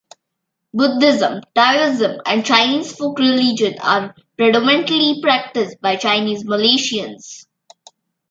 Buddhism, Taoism, and Chinese folk religion are predominantly practised by Chinese Malaysians.